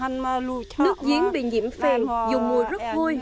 nước giếng bị nhiễm phèn dùng mùi rất vui